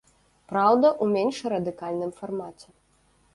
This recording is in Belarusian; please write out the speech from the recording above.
Праўда, у менш радыкальным фармаце.